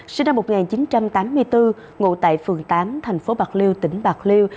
sinh năm một nghìn chín trăm tám mươi bốn ngụ tại phường tám thành phố bạc liêu tỉnh bạc liêu